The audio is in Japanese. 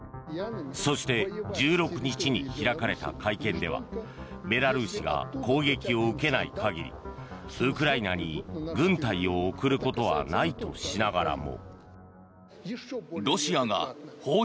そして１６日に開かれた会見ではベラルーシが攻撃を受けない限りウクライナに軍隊を送ることはないとしながらも。